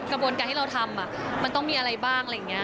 กระบวนการที่เราทำมันต้องมีอะไรบ้างอะไรอย่างนี้